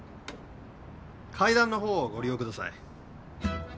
階段の方をご利用ください。